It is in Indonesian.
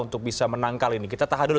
untuk bisa menangkal ini kita tahan dulu